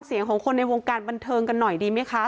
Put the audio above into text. เสียงของคนในวงการบันเทิงกันหน่อยดีไหมคะ